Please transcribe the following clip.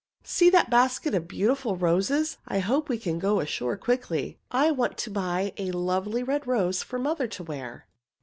"See that basketful of beautiful roses! I hope we can go ashore quickly. I want to buy a lovely red rose for mother to wear."